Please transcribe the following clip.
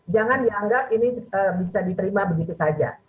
jangan dianggap ini bisa diterima begitu saja